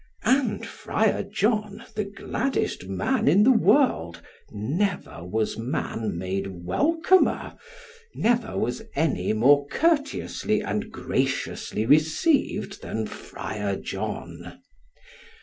And Friar John, the gladdest man in the world, never was man made welcomer, never was any more courteously and graciously received than Friar John.